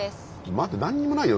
待って何にもないよ